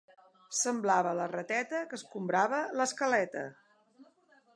Semblava la rateta que escombrava l'escaleta.